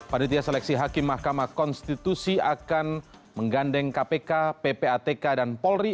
panitia seleksi hakim mahkamah konstitusi akan menggandeng kpk ppatk dan polri